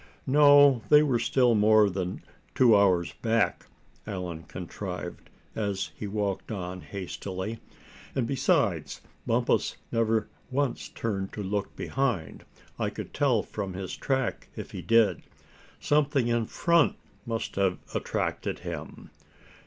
"No, they were still more than two hours' back," Allan contrived, as he walked on hastily. "And besides, Bumpus never once turned to look behind; I could tell from his track if he did. Something in front must have attracted him."